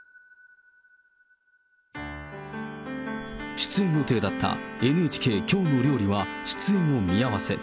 出演予定だったＮＨＫきょうの料理は出演を見合わせ。